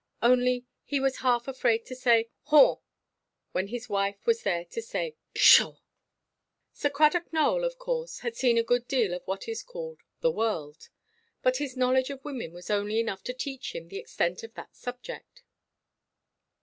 Only he was half afraid to say "Haw," when his wife was there to cry "Pshaw." Sir Cradock Nowell, of course, had seen a good deal of what is called the world; but his knowledge of women was only enough to teach him the extent of that subject.